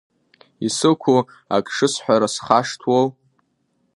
Исықәу ак шысҳәара схашҭуоу?